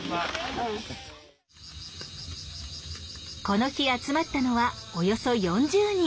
この日集まったのはおよそ４０人。